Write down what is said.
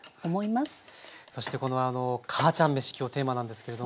そしてこの「母ちゃんめし」今日テーマなんですけれども。